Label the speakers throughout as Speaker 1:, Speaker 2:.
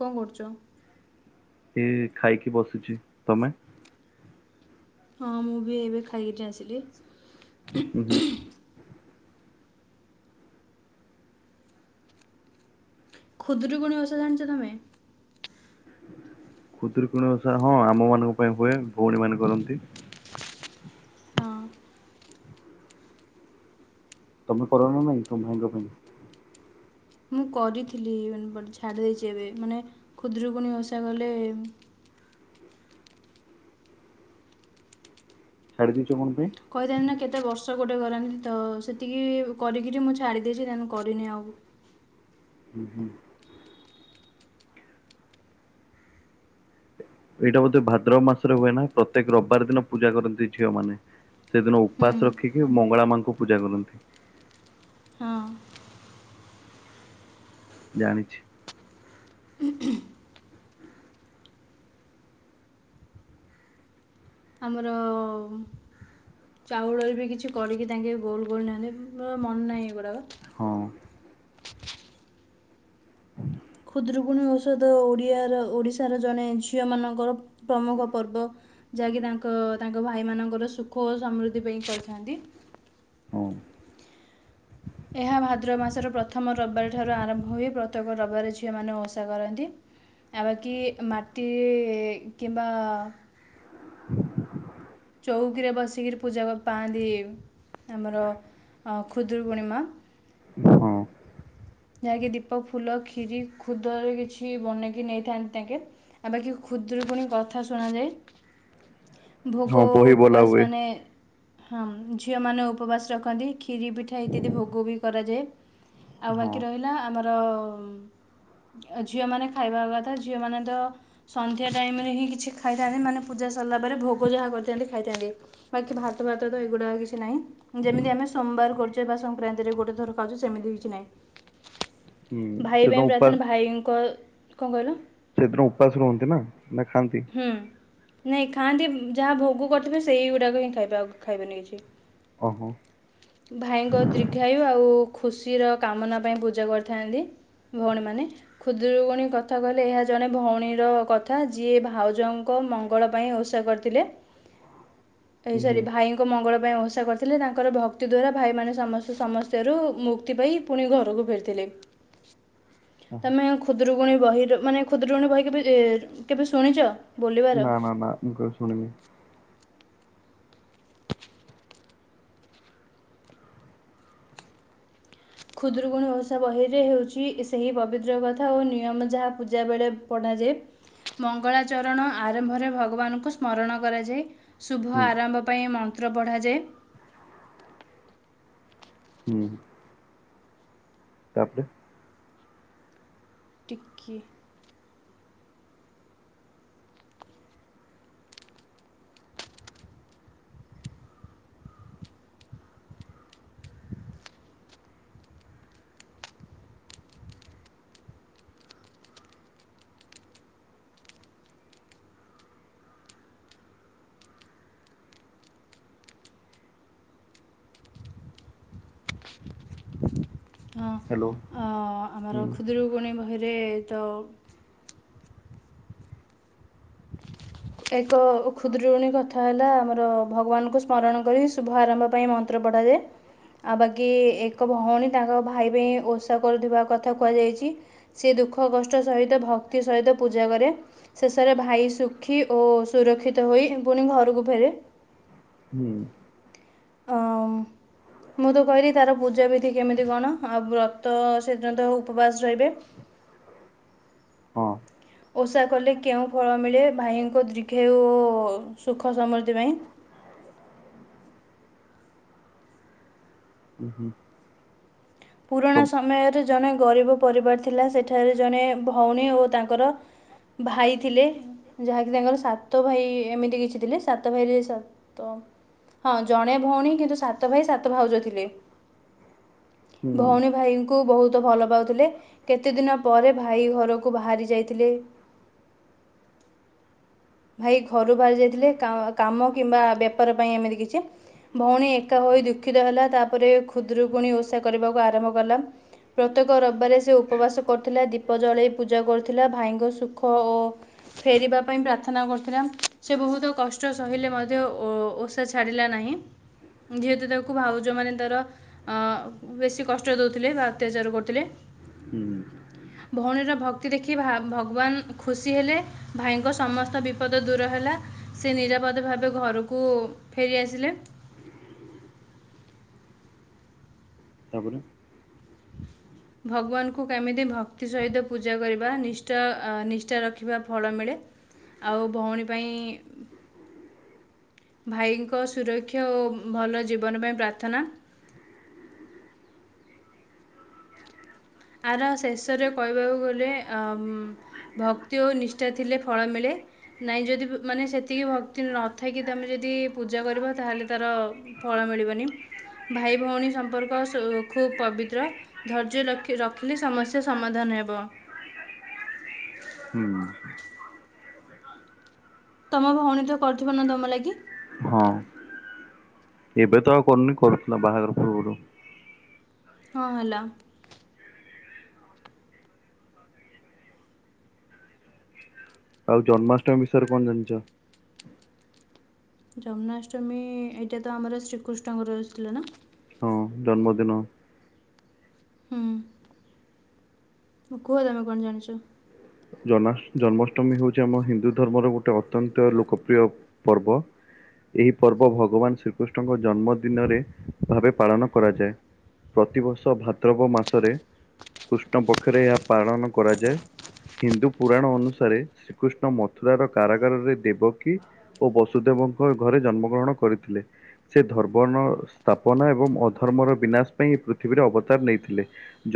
Speaker 1: କଣ କରୁଚ?
Speaker 2: ଏ ଖାଇକି ବସୁଚି ତମେ?
Speaker 1: ହଁ ମୁଁ ବି ଏବେ ଖାଇକିରି ଆସିଲି।
Speaker 2: [unintelligible]
Speaker 1: ଖୁଦୁରୁକୁଣୀ ଓଷା ଜାଣିଚ ତମେ?
Speaker 2: ଖୁଦୁରୁକୁଣୀ ଓଷା ହଁ ଆମ ମାନଙ୍କ ପାଇଁ ହୁଏ ଭଉଣୀ ମାନେ କରନ୍ତି।
Speaker 1: ହଁ।
Speaker 2: ତମେ କର ନା ନାଇଁ ତମ ଭାଇଙ୍କ ପାଇଁ?
Speaker 1: ମୁଁ କରିଥିଲି [unintelligible] ବଟ ଛାଡି ଦେଇଚି ଏବେ ମାନେ ଖୁଦୁରୁକୁଣି ଓଷା କଲେ
Speaker 2: ଛାଡ଼ି ଦେଇଚ କଣ ପାଇଁ?
Speaker 1: [unintelligible]
Speaker 2: [unintelligible] ଏଇଟା ବୋଧେ ଭାଦ୍ରବ ମାସରେ ହୁଏ ନା ପ୍ରତ୍ୟେକ ରବିବାର ଦିନ ପୂଜା କରନ୍ତି ଝିଅମାନେ। ସେଦିନ
Speaker 1: ହୁଁ
Speaker 2: ଉପାସ ରଖିକି ମଙ୍ଗଳା ମାଙ୍କୁ ପୂଜା କରନ୍ତି।
Speaker 1: ହଁ।
Speaker 2: ଜାଣିଛି।
Speaker 1: [unintelligible] [unintelligible] ଚାଉଳରେ ବି କିଛି କରିକି ତାଙ୍କେ ଗୋଲ୍ ଗୋଲ ନିଅନ୍ତି ମୋର ମନ ନାହିଁ ଏଗୁଡ଼ାକ।
Speaker 2: ହଁ ଅ।
Speaker 1: [unintelligible] ଓଡ଼ିଆର ଓଡିଶାର ଜଣେ ଝିଅ ମାନଙ୍କର ପ୍ରମୁଖ ପର୍ବ। ଯାହାକି ତାଙ୍କ ତାଙ୍କ ଭାଇମାନଙ୍କର ସୁଖ ଓ ସମୃଦ୍ଧି ପାଇଁ କରିଥାନ୍ତି।
Speaker 2: ହଁ।
Speaker 1: ଏହା ଭାଦ୍ରବମାସର ପ୍ରଥମ ରବିବାରଠାରୁ ଆରମ୍ଭ ହୋଇ ପ୍ରତ୍ୟେକ ରବିବାର ଝିଅମାନେ ଓଷା କରନ୍ତି। ଆ ବାକି ମାଟି କିମ୍ବା।
Speaker 2: [unintelligible]
Speaker 1: ଚୋଉକିରେ ବସିକିରି ପୂଜା ପାଆନ୍ତି ଆମର ଅ ଖୁଦୁରୁକୁଣୀ ମା।
Speaker 2: ହଁ।
Speaker 1: ଯାହାକି ଦୀପ ଫୁଲ କ୍ଷିରି ଖୁଦରେ କିଛି ବନେଇକି ନେଇଥାନ୍ତି ତାଙ୍କେ। ଆ ବାକି ଖୁଦୁରୁକୁଣୀ କଥା ଶୁଣାାଯାଏ। ଭୋଗୋ
Speaker 2: ହଁ ବହି ବୋଲା
Speaker 1: ଉପବାସ
Speaker 2: ହୁଏ
Speaker 1: ମାନେ ହଁ ଝିଅମାନେ ଉପବାସ ରଖନ୍ତି କ୍ଷୀରୀପିଠା ଇତ୍ୟାଦି ଭୋଗ ବି କରାଯାଏ। ଆଉ
Speaker 2: ହଁ।
Speaker 1: ବାକି ରହିଲା ଆମର ଝିଅମାନେ ଖାଇବା କଥା ଝିଅମାନେ ତ ସନ୍ଧ୍ୟା ଟାଇମରେ ହିଁ କିଛି ଖାଇଥାନ୍ତି ମାନେ ପୂଜା ସରିଲା ପରେ ଭୋଗ ଯାହା କରିଥାନ୍ତି ଖାଇଥାନ୍ତି। ବାକି ଭାତ ଫାତ ତ ଏଗୁଡାଆଉ କିଛି ନାହିଁ। ଯେମିତି ଆମେ ସୋମବାର କରୁଚେ ବା ସଂକ୍ରାନ୍ତିରେ ଗୋଟେ ଥର ଖାଉଚେ ସେମିତି କିଛି ନାହିଁ।
Speaker 2: ହୁଁ
Speaker 1: ଭାଇ
Speaker 2: ସେଦିନ
Speaker 1: ପାଇଁ
Speaker 2: ଉପା
Speaker 1: ପ୍ରାର୍ଥନା ଭାଇଙ୍କ କଣ କହିଲ?
Speaker 2: ସେଦିନ ଉପାସ ରୁହନ୍ତି ନା ନା ଖାଆନ୍ତି?
Speaker 1: ହୁଁ ନାଇଁ ଖାଆନ୍ତି ଯାହା ଭୋଗ କରିଥିବେ ସେଇଗୁଡାକ ହିଁ ଖାଇବେ ଆଉ ଖାଇବେନି କିଛି।
Speaker 2: ଓହୋ।
Speaker 1: ଭାଇଙ୍କ ଦୀର୍ଘାୟୁ ଆଉ ଖୁସିର କାମନା ପାଇଁ ପୂଜା କରିଥାନ୍ତି। ଭଉଣୀମାନେ ଖୁଦୁରୁକୁଣୀ କଥା କହିଲେ ଏହା ଜଣେ ଭୋଉଣୀର କଥା ଯିଏଭାଇ ଭାଉଜଙ୍କ ମଙ୍ଗଳ ପାଇଁ ଓଷା କରିଥିଲେ ଏ
Speaker 2: ହୁଁ ହୁଁ
Speaker 1: ସରି ଭାଇଙ୍କ ଭାଇଙ୍କ ମଙ୍ଗଳ ପାଇଁ ଓଷା କରିଥିଲେ ତାଙ୍କର ଭକ୍ତି ଦ୍ୱାରା ଭାଇମାନେ ସମସ୍ତେ ସମସ୍ୟାରୁ ମୁକ୍ତ ମୁକ୍ତି ପାଇ ପୁଣି ଘରକୁ ଫେରିଥିଲେ। ତମେ ଖୁଦୁରୁକୁୁଣୀ ବହିର ମାନେ ଖୁଦୁରୁକୁଣୀ ବହି କେବେ କେବେ ଶୁଣିଚ?
Speaker 2: ନା ନା ନା ମୁଁ କେବେ ଶୁଣିନି।
Speaker 1: ଖୁଦୁରୁକୁଣୀ ଓଷା ବହିରେ ହେଉଚି ସେହି ପବିତ୍ର କଥା ଓ ନିୟମ ଯାହା ପୂଜା ବେଳେ ପଢ଼ାଯାଏ। ମଙ୍ଗଳାଚରଣ ଆରମ୍ଭରେ ଭଗବାନଙ୍କୁ ସ୍ମରଣ କରାଯାଏ। ଶୁଭ
Speaker 2: ହୁଁ
Speaker 1: ଆରମ୍ଭ ପାଇଁ ମନ୍ତ୍ର ପଢ଼ାଯାଏ।
Speaker 2: ହୁଁ। ତାପରେ?
Speaker 1: ଟିକି। ହଁ
Speaker 2: ହ୍ୟାଲୋ ହୁଁ
Speaker 1: ଆମର ଖୁଦୁରୁକୁଣୀ ବହିରେ ତ? ଅଡିଓ ଟି ସଂପୂର୍ଣ୍ଣ ଖାଲି ଅଟେ। ଏକ ଖୁଦୁରୁକୁଣୀ କଥା ହେଲା ଆମର ଭଗବାନଙ୍କୁ ସ୍ମରଣ କରି ଶୁଭ ଆରମ୍ଭ ପାଇଁ ମନ୍ତ ମନ୍ତ୍ର ପଢ଼ାଯାଏ। ଆଉ ବାକି ଏକ ଭୋଉଣୀ ତାଙ୍କ ଭାଇ ପାଇଁ ଓଷା କରୁଥିବା କଥା କୁହାଯାଇଚି। ସିଏ ଦୁଃଖ କଷ୍ଟ ସହିତ ଭକ୍ତି ସହିତ ପୂଜା କରେ ଶେଷରେ। ଭାଇ ସୁଖୀ ଓ ସୁରକ୍ଷିତ ହୋଇ ପୁଣି ଘରକୁ ଫେରେ।
Speaker 2: ହୁଁ।
Speaker 1: ଅମ୍ ମୁଁ ତ କହିଲି ତାର ପୂଜା ବିଧି କେମିତି କଣ ଆଉ ବ୍ରତ ତ ସେଦିନତ ଉପବାସ ରହିବେ।
Speaker 2: ହଁ
Speaker 1: ଓଷା କଲେ କେଉଁ ଫଳ ମିଳେ ଭାଇଙ୍କ ଦୀର୍ଘାୟୁ ସୁଖ ସମୃଦ୍ଧି ପାଇଁ
Speaker 2: [unintelligible] ତ
Speaker 1: ପୁରୁଣା ସମୟରେ ଜଣେ ଗରିବ ପରିବାର ଥିଲା ସେଠାରେ ଜଣେ ଭୋଉଣୀ ଓ ତାଙ୍କର ଭାଇ ଥିଲେ। ଯାହାକି ତାଙ୍କର ସାତ ଭାଇ ଏମିତି କିଛି ଥିଲେ ସାତ ଭାଇରେ ସାତ ହଁ ଜଣେ ଭୋଉଣୀ କିନ୍ତୁ ସାତ ଭାଇ ସାତ ଭାଉଜ ଥିଲେ।
Speaker 2: ହୁଁ
Speaker 1: ଭୋଉଣୀ ଭାଇଙ୍କୁ ବୋହୁତ ଭଲ ପାଉଥିଲେ। କେତେ ଦିନ ପରେ ଭାଇ ଘରକୁ ବାହାରି ଯାଇଥିଲେ। ଭାଇ ଘରୁ ବାହାରି ଯାଇଥିଲେ କାମ କିମ୍ବା ବେପାର ପାଇଁ ଏମିତି କିଛି ଭଉଣୀ ଏକା ହୋଇ ଦୁଃଖିତ ହେଲା ତାପରେ ଖୁଦରୁକୁୁଣି ଓଷା କରିବାକୁ ଆରମ୍ଭ କଲା। ପ୍ରତ୍ୟେକ ରବିବାରେ ସେ ଉପବାସ କରୁଥିଲା ଦୀପ ଜଳେଇ ପୂଜା କରୁଥିଲା ଭାଇଙ୍କ ସୁଖ ଓ ଫେରିବା ପାଇଁ ପ୍ରାର୍ଥ ନା କରୁଥିଲା ସେ ବହୁତ କଷ୍ଟ ସହିଲେ ମଧ୍ୟ ଓଷା ଛାଡ଼ିଲା ନାହିଁ? ଯେହେତୁ ତାକୁ ଭାଉଜ ମାନେ ତାର ହଁ ବେଶୀ କଷ୍ଟ ଦେଉଥିଲେ ବା ଅତ୍ୟାଚାର କରୁଥିଲେ।
Speaker 2: ହୁଁ ହ।
Speaker 1: ଭଉଣୀର ଭକ୍ତି ଦେଖି ଭା ଭଗବାନ ଖୁସି ହେଲେ ଭାଇଙ୍କ ସମସ୍ତ ତ ବିପଦ ଦୂର ହେଲା ସେ ନିରାପଦ ଭାବେ ଘରକୁ ଫେରିଆସିଲେ।
Speaker 2: ତାପରେ?
Speaker 1: ଭଗବାନଙ୍କୁ କେମିତି ଭକ୍ତି ସହିତ ପୂଜା କରିବା ନିଷ୍ଠା, ନିଷ୍ଠା ରଖିବା ଫଳ ମିଳେ। ଆଉ ଭଉଣୀ ପାଇଁ ଭାଇଙ୍କ ସୁରକ୍ଷା ଓ ଭଲ ଜୀବନ ପାଇଁ ପ୍ରାର୍ଥନା ଆର ଶେଷରେ କହିବାକୁ ଗଲେ ଆମ୍ ଭକ୍ତି ଓ ନିଷ୍ଠା ଥିଲେ ଫଳ ମିଳେ। ନାଇଁ ଯଦି ମାନେ ସେତିକି ଭକ୍ତି ନଥାଇକି ତୁମେ ଯଦି ପୂଜା କରବ ତା ହେଲେ ତାର ଫଳ ମିଳିବନି ଭାଇ ଭଉଣୀ ସମ୍ପର୍କ ସୁ ଖୁବ ପବିତ୍ର ଧୈର୍ଯ୍ୟ ଲକ୍ଷ ରଖିଲେ ସମସ୍ୟା ସମାଧାନ ହେବ।
Speaker 2: [inaudible]
Speaker 1: ତମ ଭଉଣୀ ତ କରିଥିବ ନା ତମ ଲାଗି?
Speaker 2: ହଁ ଏବେ ତ ଆଉ କରୁନି କରୁଥିଲା ବାହାଘର ପୂର୍ବରୁ।
Speaker 1: କଣ ହେଲା?
Speaker 2: ଆଉ ଜନ୍ମାଷ୍ଟମୀ ବିଷୟରେ କଣ ଜାଣିଛ?
Speaker 1: ଜନ୍ମାଷ୍ଟମୀ ଏଇଟା ତ ଆମର ଶ୍ରୀକୃଷ୍ଣଙ୍କର ର ଥିଲା ନା?
Speaker 2: ହଁ ଜନ୍ମଦିନ
Speaker 1: ହୁଁ କୁହ ତମେ କଣ ଜାଣିଛ?
Speaker 2: ଜନ୍ମା, ଜନ୍ମାଷ୍ଟମୀ ହଉଛି ଆମ ହିନ୍ଦୁ ଧର୍ମର ଗୋଟେ ଅତ୍ୟନ୍ତ ଲୋକପ୍ରିୟ ପର୍ବ ଏହି ପର୍ବ ଭଗବାନ ଶ୍ରୀକୃଷ୍ଣଙ୍କ ଜନ୍ମଦିନରେ ଭାବେ ପାଳନ କରାଯାଏ। ପ୍ରତିବର୍ଷ ଭାଦ୍ରବ ମାସରେ କୃଷ୍ଣ ପକ୍ଷରେ ଏହା ପାଳନ କରାଯାଏ। ହିନ୍ଦୁ ପୁରାଣ ଅନୁସାରେ ଶ୍ରୀକୃଷ୍ଣ ମଥୁରାର କାରାଗାରରେ ଦେବକୀ ଓ ବସୁଦେବଙ୍କ ଘରେ ଜନ୍ମ ଗ୍ରହଣ କରିଥିଲେ। ସେ ଧର୍ମର ସ୍ଥାପନା ଏବଂ ଅଧର୍ମର ବିନାଶ ପାଇଁ ପୃଥିବୀରେ ଅବତାର ନେଇଥିଲେ।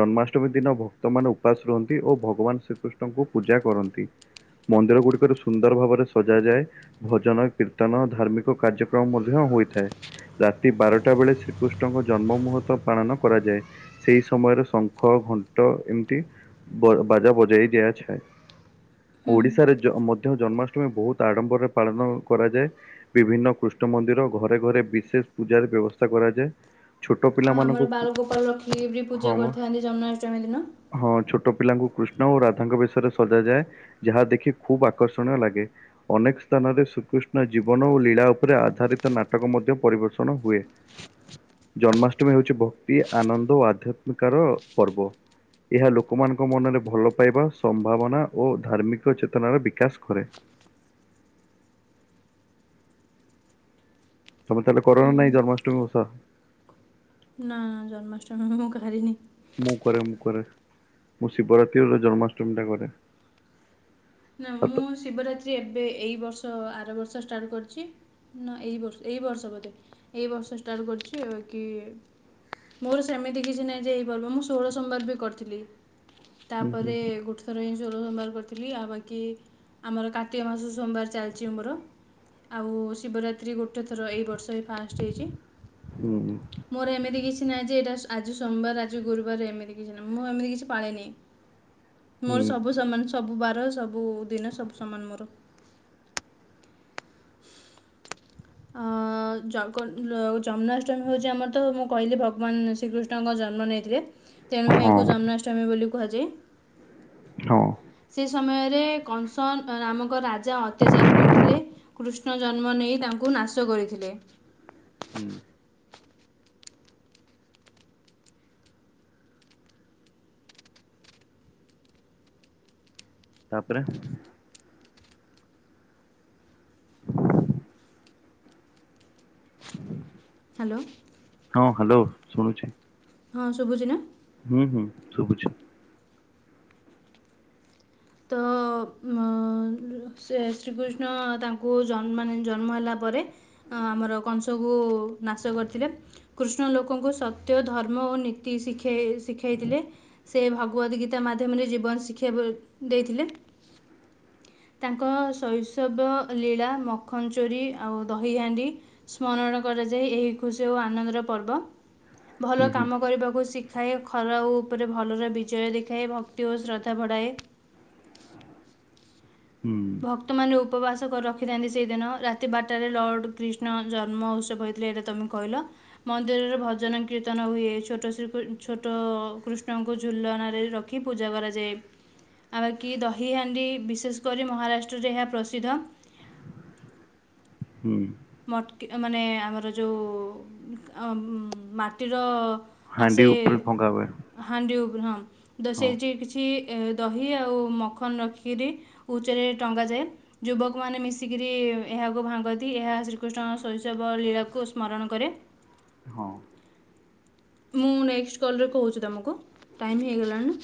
Speaker 2: ଜନ୍ମାଷ୍ଟମୀ ଦିନ ଭକ୍ତମାନେ ଉପାସ ରୁହନ୍ତି ଓ ଭଗବାନ ଶ୍ରୀକୃଷ୍ଣଙ୍କୁ ପୂଜା କରନ୍ତି। ମନ୍ଦିର ଗୁଡି଼କରେ ସୁନ୍ଦର ଭାବରେ ସଜାଯାଏ। ଭଜନ, କୀର୍ତ୍ତନ, ଧାର୍ମିକ କାର୍ଯ୍ୟକ୍ରମ ମଧ୍ୟ ହୋଇଥାଏ। ରାତି ବାରଟା ବେଳେ ଶ୍ରୀକୃଷ୍ଣଙ୍କ ଜନ୍ମ ମୁହୂର୍ତ୍ତ ପାଳନ କରାଯାଏ। ସେଇ ସମୟରେ ଶଙ୍ଖ, ଘଣ୍ଟ ଏମିତି ବ ବାଜା ବଜେଇ ଦିଆ ଛାଏ
Speaker 1: ହୁଁ
Speaker 2: ଓଡିଶାରେ ମଧ୍ୟ ଜନ୍ମାଷ୍ଟମୀ ବହୁତ ଆଡ଼ ମ୍ବରରେ ପାଳନ କରାଯାଏ। ବିଭିନ୍ନ କୃଷ୍ଣ ମନ୍ଦିର ଘରେ ଘରେ ବିଶେଷ ପୂଜାରେ ବ୍ୟବସ୍ଥା କରାଯାଏ। ଛୋଟ
Speaker 1: ହଁ
Speaker 2: ପିଲାମାନଙ୍କୁ
Speaker 1: ଆମର
Speaker 2: କୃ-
Speaker 1: ବାଲଗୋପାଳ ରଖିକି ବି ପୂଜା
Speaker 2: ହଁ ମ
Speaker 1: କରିଥାନ୍ତି ଜନ୍ମାଷ୍ଟମୀ ଦିନ।
Speaker 2: ହଁ ଛୋଟ ପିଲାଙ୍କୁ କୃଷ୍ଣ ଓ ରାଧାଙ୍କ ବେଶ ଥରେ ସଜାଯାଏ ଯାହା ଦେଖି ଖୁବ୍ ଆକର୍ଷଣ ଲାଗେ। ଅନେକ ସ୍ଥାନରେ ଶ୍ରୀକୃଷ୍ଣ ଜୀବନ ଓ ଲୀଳା ଉପରେ ଆଧାରିତ ନାଟକ ମଧ୍ୟ ପରିବେଷଣ ହୁଏ। ଜନ୍ମାଷ୍ଟମୀ ହେଉଛି ଭକ୍ତି ଆନନ୍ଦ ଓ ଆଧ୍ୟାତ୍ମିକାର ପର୍ବ। ଏହା ଲୋକମାନଙ୍କ ମନରେ ଭଲପାଇବା ସମ୍ଭାବନା ଓ ଧାର୍ମିକ ଚେତନାର ବିକାଶ କରେ। ତମେ ତାହଲେ
Speaker 1: ହୁଁ
Speaker 2: କରନା ନାଇ
Speaker 1: ନା
Speaker 2: ଜନ୍ମାଷ୍ଟମୀ ଓଷା।
Speaker 1: ନା ଜନ୍ମାଷ୍ଟମୀ ମୁଁ କରିନି।
Speaker 2: ମୁଁ କରେ ମୁଁ କରେ, ମୁଁ ଶିବରାତ୍ରି ଆଉ ଜନ୍ମାଷ୍ଟମୀ ଟା କରେ।
Speaker 1: ନା
Speaker 2: ସାତ
Speaker 1: ମୁଁ ଶିବରାତ୍ରି ଏବେ ଏଇ ବର୍ଷ ଆର ବର୍ଷ ଷ୍ଟାର୍ଟ କର୍ ଛି। ନା ଏଇ ବର୍ଷ ଏଇ ବର୍ଷ ବୋଧେ, ଏଇ ବର୍ଷ ଷ୍ଟାର୍ଟ କରିଛି। ଏ ବାକି ମୋର ସେମିତି କିଛି ନାହିଁ ଯେ ଏଇ ପର୍ବ, ମୁଁ ଷୋଳ ସୋମବାର ବି କରିଥିଲି।
Speaker 2: ହୁଁ ହୁଁ
Speaker 1: ତାପରେ ଗୋଟ୍ ଥର ଏଇ ଷୋଳ ସୋମବାର କରିଥିଲି। ଆଉ ବାକ୍ କି ଆମର କାର୍ତ୍ତିକ ମାସ ସୋମବାର ଚାଲିଛି ଆମର। ଆଉ ଶିବରାତ୍ରି ଗୋଟେ ଥର ଏଇ ବର୍ଷ ଏ ଫାଷ୍ଟ ହେଇଛି।
Speaker 2: ହୁଁ -ହୁଁ।
Speaker 1: ମୋର ଏମିତି କିଛି ନାହିଁ ଯେ ଏଇଟା ଆଜି ସୋମବାର ଆଜି ଗୁରୁବାର ଏମିତି କିଛି ନାହିଁ, ମୁଁ ଏମିତି କିଛି ପାଳେନି। ମୋର
Speaker 2: ହୁଁ
Speaker 1: ସବୁ ସମାନ୍ ସବୁ ବାର ସବୁ ଦିନ ସବୁ ସମାନ ମୋର। ଅ-ଅ-ଅ ଅ ଜଗନ୍ ଜନ୍ମାଷ୍ଟମୀ ହଉଛି ଆମର ତ ମୁଁ କହିଲି ଭଗବାନ୍ ଶ୍ରୀକୃଷ୍ଣଙ୍କ ଜନ୍ମ ନେଇଥିଲେ। ତେଣୁ
Speaker 2: ହଁ
Speaker 1: ଏହାକୁ ଜନ୍ମାଷ୍ଟମୀ ବୋଲି କୁହାଯାଏ।
Speaker 2: ହଁ।
Speaker 1: ସେ ସମୟରେ କଂସ ନାମକ ରାଜା ଅତ୍ୟାଚାର କରୁଥିଲେ। କୃଷ୍ କୃଷ୍ଣ ଜନ୍ମ ନେଇ ତାଙ୍କୁ ନାଶ କରିଥିଲେ।
Speaker 2: ହୁଁ। ତାପରେ।
Speaker 1: ହାଲୋ।
Speaker 2: ହଁ ହାଲୋ ଶୁଣୁଛି।
Speaker 1: ହଁ ଶୁଭୁଛି ନା।
Speaker 2: ହୁଁ -ହୁଁ ଶୁଭୁଛି।
Speaker 1: ତ ମ ସେ ଶ୍ରୀକୃଷ୍ଣ ତାଙ୍କୁ ଜନ୍ମ ମାନେ ଜନ୍ମ ହେଲା ପରେ। ହଁ ଆମର କଂସକୁ ନାଶ କରିଥିଲେ। କୃଷ୍ଣ ଲୋକଙ୍କୁ ସତ୍ୟ, ଧର୍ମ ଓ ନୀତି ଶିଖାଇ ଶିଖାଇଥିଲେ। ସେ ଭଗବତୀ ଗୀତା ମାଧ୍ୟମରେ ଜୀବନ ଶିକ୍ଷା ଦେଇଥିଲେ। ତାଙ୍କ ଶୈଶବ ଲୀଳା ମଖନ୍ ଚୋରି ଆଉ ଦହିହାଣ୍ଡି। ସ୍ମରଣ କରାଯାଏ ଏହି ଖୁସି ଆଉ ଆନନ୍ଦର ପର୍ବ
Speaker 2: ହୁଁ
Speaker 1: ଭଲ
Speaker 2: ହୁଁ
Speaker 1: କାମ କରିବାକୁ ଶିକ୍ ଖାଏ ଖରା ଉପରେ ଭଲର ବିଜୟ ଦେଖାଏ ଭକ୍ତି ଓ ଶ୍ରଦ୍ଧା ବଢ଼ାଏ।
Speaker 2: ହୁଁ
Speaker 1: ଭକ୍ତମାନେ ଉପବାସ କର। ରଖିଥାନ୍ତି ସେଇଦିନ ରାତି ବାରଟାରେ ଲର୍ଡ କ୍ରିଷ୍ଣ ଜନ୍ମ ଉତ୍ସବ ହେଇଥିଲେ। ଏଇଟା ତମେ କହିଲ। ମନ୍ଦିରରେ ଭଜନ କୀର୍ତ୍ତନ ହୁଏ। ଛୋଟ ଶ୍ରୀ ଛୋଟ କୃଷ୍ଣଙ୍କୁ ଝୁଲଣାରେ ର ଖି ପୂଜା କରାଯାଏ। ଆଉ ବାକି ଦହିହାଣ୍ଡି ବିଶେଷ କରି ମହାରାଷ୍ଟ୍ରରେ ଏହା ପ୍ରସିଦ୍ଧ।
Speaker 2: ହୁଁ।
Speaker 1: ମଟକି ମାନେ ଆମର ଯୋଉ ମାଟିର ଅ ଆସେ
Speaker 2: ହାଣ୍ଡି ଉପରେ ଫଙ୍ଗା ହୁଏ
Speaker 1: ହାଣ୍ଡି ଉପରେ ହଁ ଦ
Speaker 2: ହଁ
Speaker 1: ସେଇଠି କିଛି ଦହି ଆଉ ମଖନ୍ ରଖିକିରି ଉଚ୍ଚରେ ଟଙ୍ଗାଯାଏ। ଯୁବକ ମାନେ ମିଶିକିରି ଏହାକୁ ଭାଙ୍ଗନ୍ତି, ଏହା ଶ୍ରୀ ଶ୍ରୀକୃଷ୍ଣ ଶୈଶବ ଲୀଳାକୁ ସ୍ମରଣ କରେ।
Speaker 2: ହଁ।
Speaker 1: ମୁଁ ନେକ୍ସଟ୍ କଲ୍ ରେ କହୁଛି ତମକୁ ଟାଇମ୍ ହେଇଗଲାଣି।